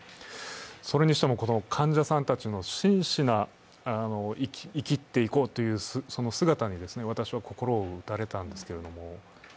それにしてもこの患者さんたちの真摯な生きていこうという姿に、私は心を打たれたんですけど。